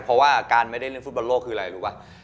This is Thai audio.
เพราะว่าการไม่ได้เล่นฟุตบอลโลกคืออะไรรู้ป่ะ